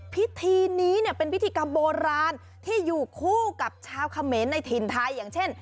พิธีนี้เนี่ยเป็นพิธีกรรมโบราณที่อยู่คู่กับชาวเขมรในถิ่นไทยอย่างเช่น